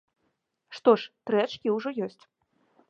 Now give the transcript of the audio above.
Што ж, тры ачкі ўжо ёсць.